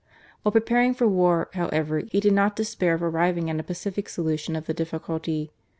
While preparing for war, however, he did not despair of arriving at a pacific solution of the difficulty.